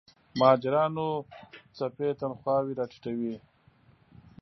مهاجرانو څپې تنخواوې راټیټوي.